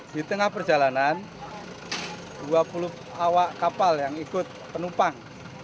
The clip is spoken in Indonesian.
di tengah perjalanan dua puluh awak kapal yang ikut penumpang